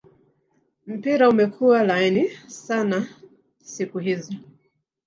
mpira umekua laini sana siku hizi